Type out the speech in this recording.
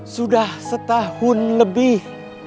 sudah setahun lebih